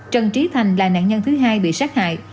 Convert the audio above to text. trần trí thành là nạn nhân thứ hai bị sát hại